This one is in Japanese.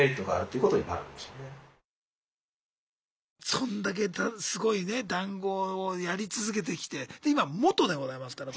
そんだけすごいね談合をやり続けてきてで今元でございますから。